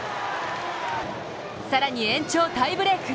更に延長タイブレーク。